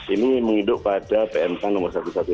ini menginduk pada pmk nomor satu ratus dua belas